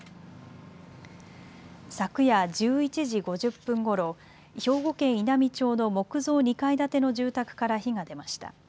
昨夜１１時５０分ごろ、兵庫県稲美町の木造２階建ての住宅から火が出ました。